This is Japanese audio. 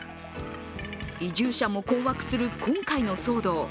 移住者も困惑する今回の騒動。